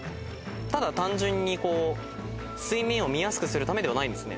ただ単純に水面を見やすくするためではないんですね。